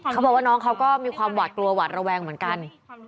เขาบอกว่าน้องเขาก็มีความหวาดกลัวหวาดระแวงเหมือนกัน